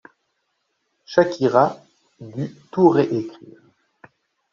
Shakira dû tout réécrire.